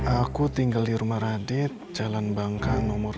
aku tinggal di rumah radit jalan bangka nomor dua